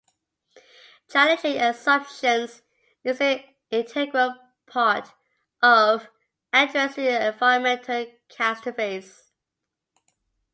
Challenging assumptions is an integral part of addressing environmental catastrophes.